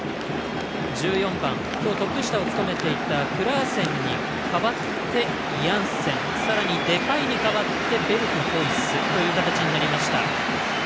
１４番今日トップ下を務めていたクラーセンに代わってヤンセンさらにデパイに代わってベルフホイスという形になりました。